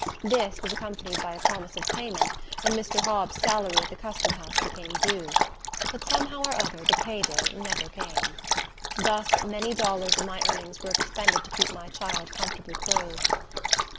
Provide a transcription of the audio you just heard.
This was accompanied by a promise of payment when Mr. Hobbs's salary at the Custom House became due; but some how or other the pay day never came. Thus many dollars of my earnings were expended to keep my child comfortably clothed.